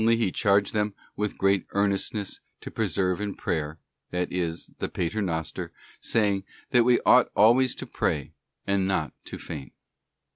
He charged them with great earnestness to persevere in prayer—that is, the Pater Noster—saying, 'that we ought always to pray, and not to faint.